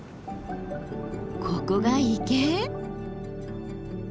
ここが池？